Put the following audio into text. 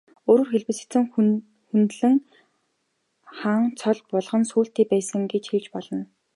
Өөрөөр хэлбэл, Сэцэн хүндлэн хан цол булган сүүлтэй байсан гэж хэлж болно.